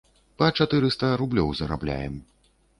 Па чатырыста рублёў зарабляем.